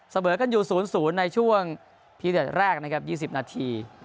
เสมอกันอยู่๐๐ในช่วงพีเด็ดแรกนะครับ๒๐นาที